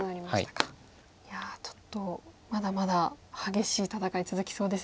いやちょっとまだまだ激しい戦い続きそうですね。